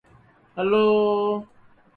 There's a cab at the door.